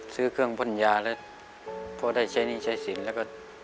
ซื้อเครื่องพ่นยาแล้ว